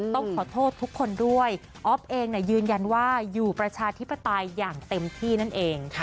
ต้องขอโทษทุกคนด้วยอ๊อฟเองยืนยันว่าอยู่ประชาธิปไตยอย่างเต็มที่นั่นเอง